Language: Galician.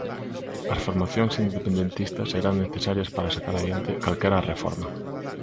As formacións independentistas serán necesarias para sacar adiante calquera reforma.